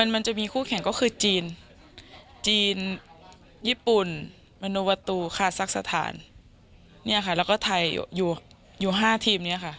มันจะมีคู่แข่งก็คือจีนจีนญี่ปุ่นมโนวาตูคาซักสถานเนี่ยค่ะแล้วก็ไทยอยู่๕ทีมเนี่ยค่ะ